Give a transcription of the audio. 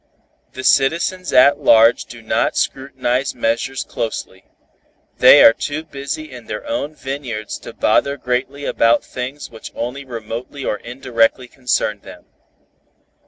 The citizens at large do not scrutinize measures closely; they are too busy in their own vineyards to bother greatly about things which only remotely or indirectly concern them.